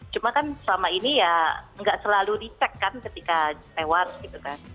cuma kan selama ini ya nggak selalu dicek kan ketika lewat gitu kan